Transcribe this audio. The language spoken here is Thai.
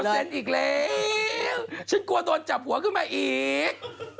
เซ็นอีกแล้วฉันกลัวโดนจับหัวขึ้นมาอีก